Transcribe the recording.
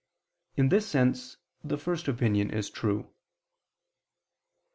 In this sense the first opinion is true.